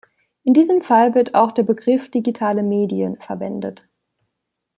In diesem Fall wird auch der Begriff „digitale Medien“ verwendet.